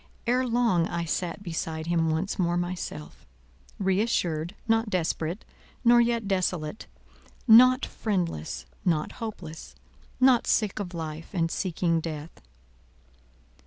Ere long I sat beside him once more myself—re assured, not desperate, nor yet desolate; not friendless, not hopeless, not sick of life, and seeking death.